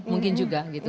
mungkin juga gitu